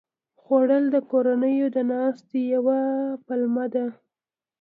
خوړل د کورنۍ د ناستې یوه پلمه ده